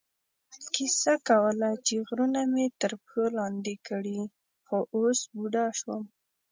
کیسه کوله چې غرونه مې تر پښو لاندې کړي، خو اوس بوډا شوم.